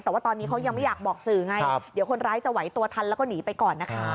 แต่ว่าตอนนี้เขายังไม่อยากบอกสื่อไงเดี๋ยวคนร้ายจะไหวตัวทันแล้วก็หนีไปก่อนนะคะ